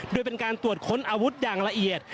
โดยเป็นการตรวจค้นอาวุธอย่างละเอียด